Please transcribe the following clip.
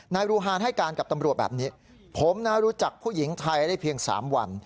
นายรูฮานให้การกับตำรวจแบบนี้ผมนะรู้จักผู้หญิงไทยได้เพียง๓วัน